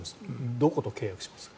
どこと契約しますか？